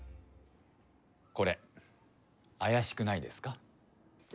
これ怪しくないですか？